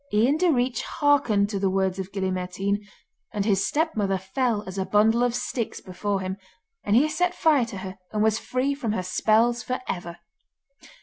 Ian Direach hearkened to the words of Gille Mairtean, and his stepmother fell as a bundle of sticks before him; and he set fire to her, and was free from her spells for ever.